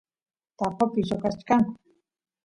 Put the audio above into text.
taqopi lloqachkanku